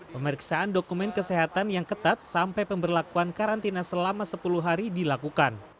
pemeriksaan dokumen kesehatan yang ketat sampai pemberlakuan karantina selama sepuluh hari dilakukan